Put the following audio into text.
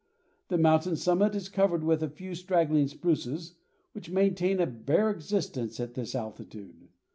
The mountain summit is covered with a few straggling spruces which maintain a bare existence at this altitude.